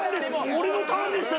俺のターンでしたよ。